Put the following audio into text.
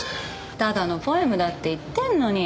ただのポエムだって言ってるのに。